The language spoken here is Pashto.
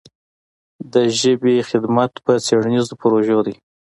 د ژبې خدمت په څېړنیزو پروژو دی.